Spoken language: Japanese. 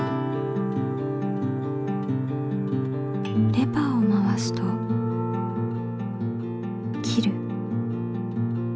レバーを回すと切る。